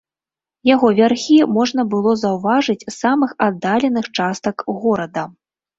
Яго вярхі можна было заўважыць з самых аддаленых частак горада.